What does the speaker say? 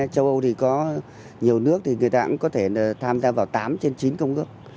châu âu thì có nhiều nước thì người ta cũng có thể tham gia vào tám trên chín công ước